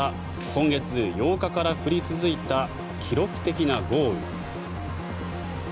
今月８日から降り続いた記録的な豪雨。